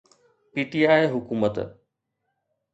P T I حڪومت